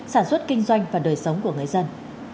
sản xuất kinh doanh và đời sống của người dân